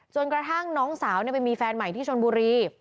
กระทั่งน้องสาวไปมีแฟนใหม่ที่ชนบุรี